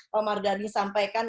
pak mardhani sampaikan